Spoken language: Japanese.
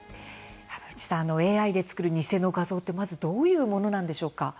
籔内さん、ＡＩが作る偽の画像って、まずどういうものなんでしょうか。